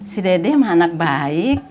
si dede sama anak baik